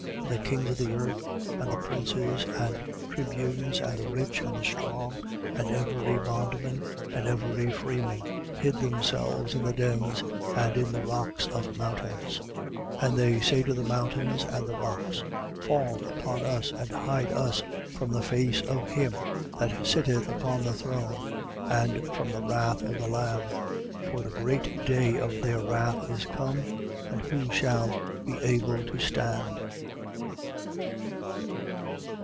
6:15. And the kings of the earth and the princes and tribunes and the rich and the strong and every bondman and every freeman hid themselves in the dens and in the rocks of mountains: 6:16. And they say to the mountains and the rocks: Fall upon us and hide us from the face of him that sitteth upon the throne and from the wrath of the Lamb. 6:17. For the great day of their wrath is come. And who shall be able to stand?